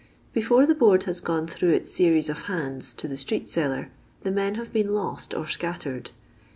Before the board has gone through its series of hands to the street seller, the men have been lost or scattered.